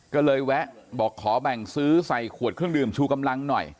ก็เลยแวะบอกขอแบ่งซื้อใส่ขวดเครื่องดื่มชูกำลังหน่อย